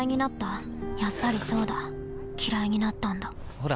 ほら。